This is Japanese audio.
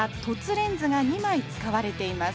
レンズが２枚使われています。